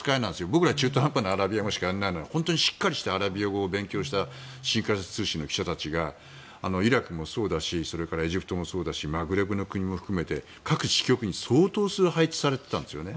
僕ら中途半端なアラビア語しか知らないのに本当にしっかりしたアラビア語を勉強した新華社通信の記者たちがイラクもそうだしエジプトもそうだし各支局に相当数配置されてたんですよね。